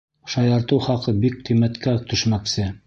Шаяртыу хаҡы бик ҡиммәткә төшмәксе.